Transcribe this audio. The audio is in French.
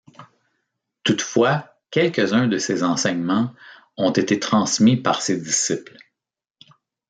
Toutefois, quelques-uns de ses enseignements ont été transmis par ses disciples.